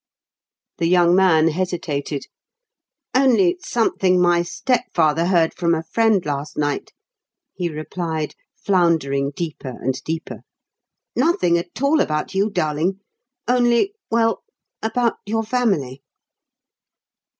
The young man hesitated. "Only something my step father heard from a friend last night," he replied, floundering deeper and deeper. "Nothing at all about you, darling. Only—well—about your family."